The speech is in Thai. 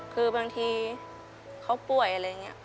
คือบางทีเขาป่วยอะไรอย่างนี้